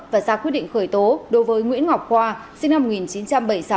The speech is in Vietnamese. và ra quyết định khởi tố đối với nguyễn ngọc khoa sinh năm một nghìn chín trăm bảy mươi sáu